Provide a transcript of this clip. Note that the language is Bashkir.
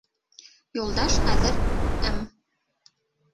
Юлдаш хәҙер М.